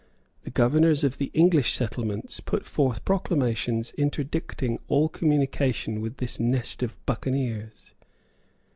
The governors of the English settlements put forth proclamations interdicting all communication with this nest of buccaneers.